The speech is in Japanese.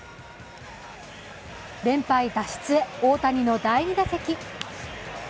連敗脱出へ、大谷の第２打席。